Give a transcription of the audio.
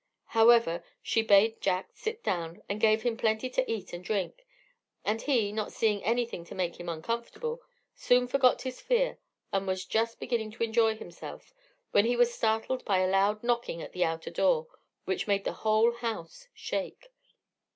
However, she bade Jack sit down, and gave him plenty to eat and drink; and he, not seeing anything to make him uncomfortable, soon forgot his fear and was just beginning to enjoy himself, when he was startled by a loud knocking at the outer door, which made the whole house shake.